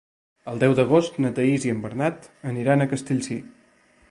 El deu d'agost na Thaís i en Bernat aniran a Castellcir.